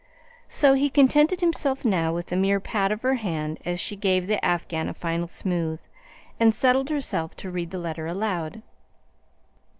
So he contented himself now with a mere pat of her hand as she gave the afghan a final smooth, and settled herself to read the letter aloud.